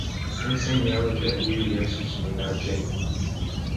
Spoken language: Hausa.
Sun sanyawa jaririyarsu suna Jenny.